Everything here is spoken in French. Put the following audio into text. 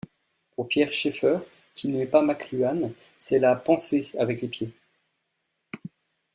Pour Pierre Schaeffer, qui n'aimait pas McLuhan, c'est là penser avec les pieds.